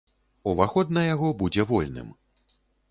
Уваход на яго будзе вольным.